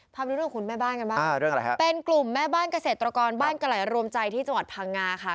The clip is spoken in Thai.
ภาพยุดอยู่กับคุณแม่บ้านกันบ้างนะครับเป็นกลุ่มแม่บ้านเกษตรกรบ้านกะไหล่รวมใจที่จังหวัดพังงาค่ะ